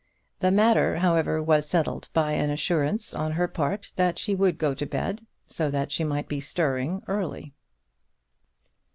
The matter, however, was settled by an assurance on her part that she would go to bed, so that she might be stirring early.